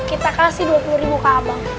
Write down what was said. kita kasih dua puluh ribu kah abang